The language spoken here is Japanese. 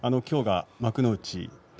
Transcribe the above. きょう幕内